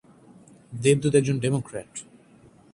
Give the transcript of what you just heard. দেবদূত একজন ডেমোক্র্যাট।